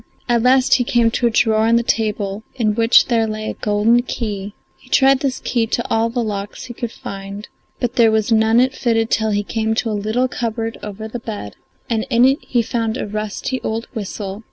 At last he came to a drawer in a table, in which there lay a golden key; he tried this key to all the locks he could find, but there was none it fitted till he came to a little cupboard over the bed, and in that he found an old rusty whistle.